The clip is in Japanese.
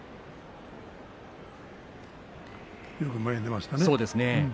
よく前に出ましたね。